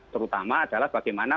terutama adalah bagaimana